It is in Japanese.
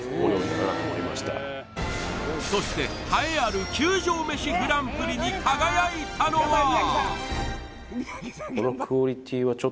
そして栄えある球場飯グランプリに輝いたのは何？